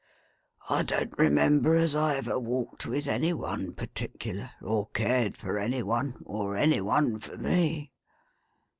I don't remember as I ever walked with any one particular, or cared for any one, or any one for me.